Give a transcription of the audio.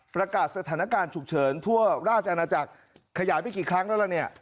ประกาศสถานการณ์ฉุกเฉินทั่วราชอาณาจักรขยายไปกี่ครั้งแล้วล่ะเนี่ย